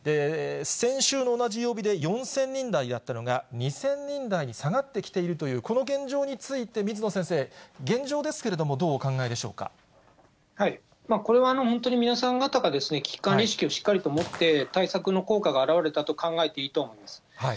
先週の同じ曜日で４０００人台だったのが２０００人台に下がってきている、この現状について、水野先生、現状ですけれども、これは本当に皆さん方が危機管理意識をしっかりと持って、対策の効果が表れたと考えていいと思います。